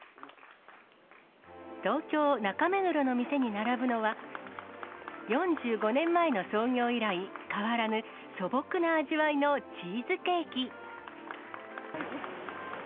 東京・中目黒の店に並ぶのは、４５年前の創業以来、変わらぬ素朴な味わいのチーズケーキ。